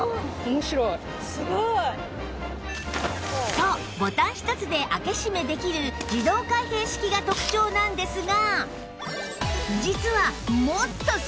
そうボタンひとつで開け閉めできる自動開閉式が特長なんですが